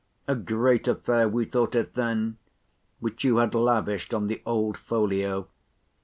—a great affair we thought it then—which you had lavished on the old folio.